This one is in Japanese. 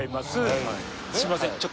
すいません